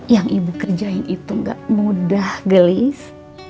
yang ibu kerjain itu gak mudah gelis